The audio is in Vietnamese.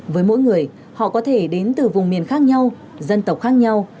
với mỗi người họ có thể đến từ vùng miền khác nhau dân tộc khác nhau